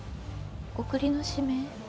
送りの指名？